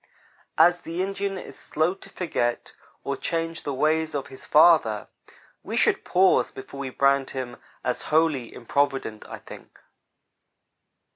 As the Indian is slow to forget or change the ways of his father, we should pause before we brand him as wholly improvident, I think.